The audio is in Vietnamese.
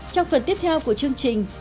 trong phần tiếp theo của chương trình